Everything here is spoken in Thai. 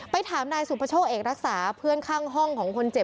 ถามนายสุประโชคเอกรักษาเพื่อนข้างห้องของคนเจ็บ